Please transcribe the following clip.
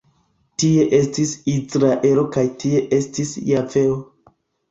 Tie estis Izraelo kaj tie estis Javeo”.